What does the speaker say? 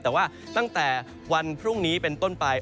แต่ว่าตั้งแต่วันพรุ่งนี้เป็นต้นไป